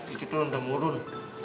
itu tuh lontem urun